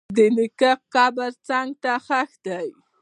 د نیکه قبر څنګ ته ښخ شو.